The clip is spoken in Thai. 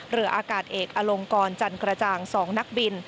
เรืออากาศเอกอลงกรจันกระจ่าง๒นักบิน